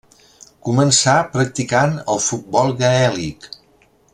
Començà practicant el futbol gaèlic.